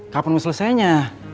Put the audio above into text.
kapan mau selesainya